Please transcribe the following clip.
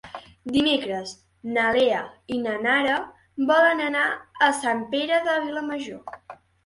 Dimecres na Lea i na Nara volen anar a Sant Pere de Vilamajor.